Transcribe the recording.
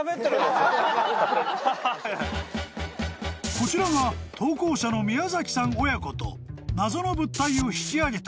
［こちらが投稿者の宮崎さん親子と謎の物体を引きあげた］